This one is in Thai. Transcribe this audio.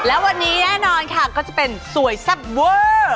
และวันนี้แน่นอนค่ะก็จะเป็นสวยแซ่บเวอร์